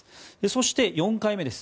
そして４回目です。